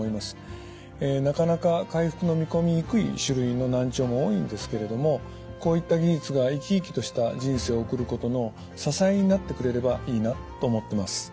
なかなか回復の見込みにくい種類の難聴も多いんですけれどもこういった技術が生き生きとした人生を送ることの支えになってくれればいいなと思ってます。